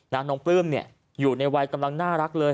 น้องปลื้มเนี่ยอยู่ในวัยกำลังน่ารักเลย